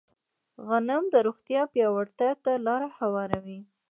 علم د روغتیا پیاوړتیا ته لاره هواروي.